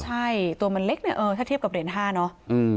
ใช่ตัวมันเล็กเนี่ยถ้าเทียบกับเดรน๕เนาะ